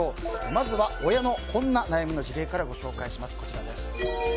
まずは親のこんな悩みの事例からご紹介します。